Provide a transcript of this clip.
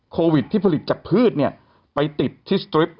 โควิดที่ผลิตจากพืชเนี่ยไปติดที่สตริป